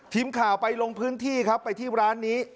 ทีมข่าวไปลงพื้นที่ครับไปที่ร้านนี้